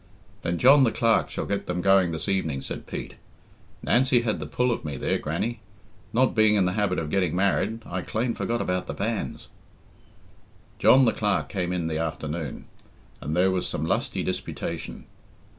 "Then John the Clerk shall get them going this evening," said Pete. "Nancy had the pull of me there, Grannie. Not being in the habit of getting married, I clane forgot about the banns." John the Clerk came in the afternoon, and there was some lusty disputation.